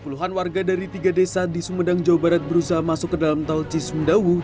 puluhan warga dari tiga desa di sumedang jawa barat berusaha masuk ke dalam tol cisumdawu